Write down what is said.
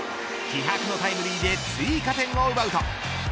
気迫のタイムリーで追加点を奪うと。